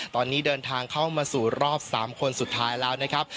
ตอนนี้เดินทางเข้ามาสู่รอบ๓คนสุดท้ายแล้วนะครับ